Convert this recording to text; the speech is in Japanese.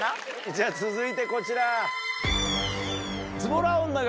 じゃ続いてこちら。